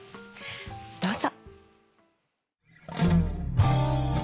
どうぞ。